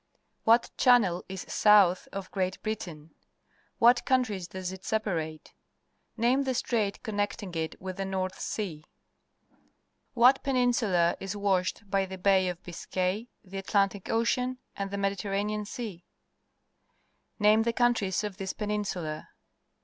What channel is south of Great Britain? What countries does it separate ? Name the strait connecting it with the North Sea. What peninsula is washetl hytheBay of Biscay, the Atlantic Ocean, and the Mediterranean Sea f Name the countries of this peninsula.